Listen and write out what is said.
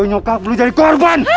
atau nyokap lo jadi korban